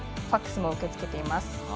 ファクスも受け付けています。